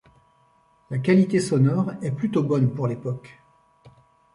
La qualité sonore est plutôt bonne pour l'époque.